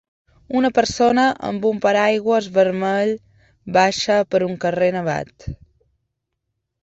Una persona amb un paraigües vermell baixa per un carrer nevat.